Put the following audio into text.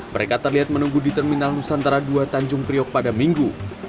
mereka terlihat menunggu di terminal nusantara ii tanjung priok pada minggu